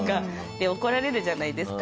で怒られるじゃないですか。